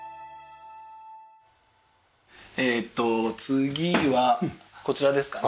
えっと次はこちらですかね。